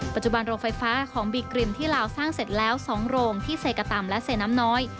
ปัจจุบันโรงไฟฟ้าของบีกริมที่ลาวสร้างเสร็จแล้ว๒โรงที่เซกตำและเซน้ำน้อย